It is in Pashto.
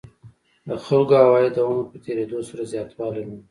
د خلکو عواید د عمر په تېرېدو سره زیاتوالی مومي